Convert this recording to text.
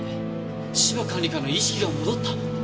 芝管理官の意識が戻った？